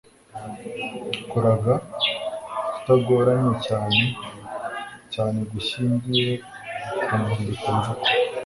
kuraga kutagoranye cyane cyane gushyingiye ku nyandiko mvugo